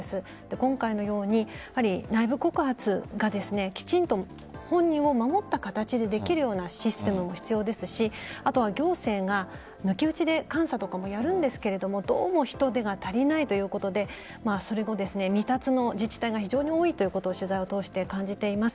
今回のように内部告発がきちんと本人を守った形でできるようなシステムも必要ですしあとは行政が抜き打ちで監査とかもやるんですがどうも人手が足りないということで未達の自治体が非常に多いということを取材を通して感じています。